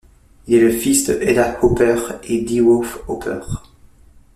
Il est le fils de Hedda Hopper et DeWolf Hopper.